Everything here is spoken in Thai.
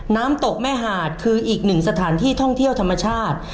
น้ำตกแม่หาดคืออีกหนึ่งสถานที่ท่องเที่ยวธรรมชาติ